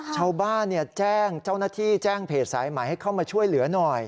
ชาวบ้านแจ้งเจ้าหน้าที่แจ้งเพจสายใหม่ให้เข้ามาช่วยเหลือหน่อย